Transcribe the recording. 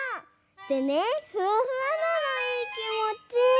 でねふわふわなのいいきもち！